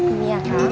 ini ya pak